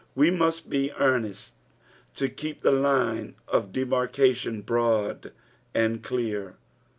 We must be earnest to keep the line of demarcation broad and clear.